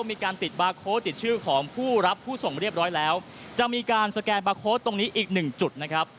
มีการติดบาร์โค้ดติดชื่อของผู้รับผู้ส่งเรียบร้อยแล้วจะมีการสแกนบาร์โค้ดตรงนี้อีกหนึ่งจุดนะครับ